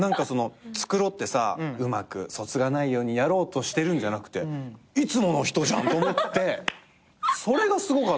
繕ってうまくそつがないようにやろうとしてるんじゃなくていつもの人じゃん！と思ってそれがすごかったですよ。